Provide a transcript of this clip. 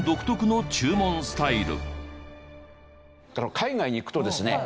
海外に行くとですね